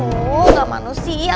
oh gak manusia